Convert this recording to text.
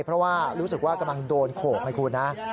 เพราะว่ารู้สึกว่ากำลังโดนโขกไงคุณนะ